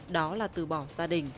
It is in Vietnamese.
đó là từ bỏ gia đình